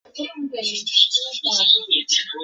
都会有休息跟坐下来的点